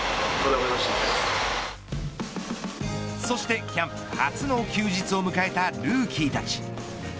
そしてキャンプ初の休日を迎えたルーキーたち。